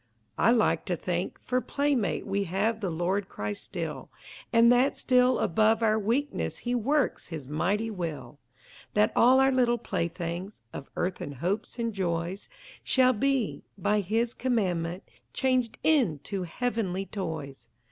I like to think, for playmate We have the Lord Christ still, And that still above our weakness He works His mighty will, That all our little playthings Of earthen hopes and joys Shall be, by His commandment, Changed into heavenly toys.